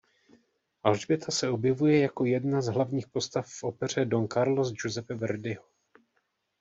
Alžběta se objevuje jako jedna z hlavních postav v opeře Don Carlos Giuseppe Verdiho.